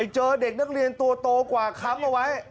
เจอเด็กนักเรียนตัวโตกว่าค้ำเอาไว้